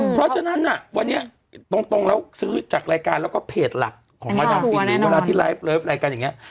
เพราะฉะนั้นน่ะวันนี้ตรงแล้วซื้อจากรายการแล้วก็เพจหลักของไวท์ดังฟิลลิกเวลาที่ไลฟ์รายการอย่างนี้